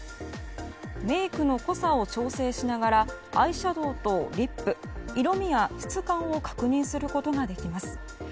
メイクの濃さを調整しながらアイシャドーやリップ色味や質感を確認することができます。